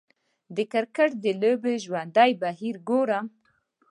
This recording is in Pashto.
د کریکټ د لوبې ژوندی بهیر ګورم